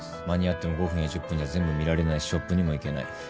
間に合っても５分や１０分じゃ全部見られないしショップにも行けない。